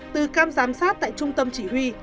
từ cam giám sát tại trung tâm chỉ huy